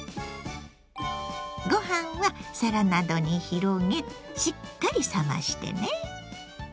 ご飯は皿などに広げしっかり冷ましてね。